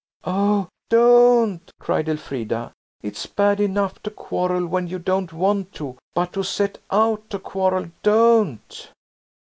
"Oh, don't!" cried Elfrida; "it's bad enough to quarrel when you don't want to, but to set out to quarrel! Don't!"